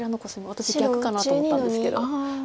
私逆かなと思ったんですけど。